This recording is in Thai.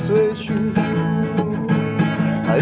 มีคนเดียว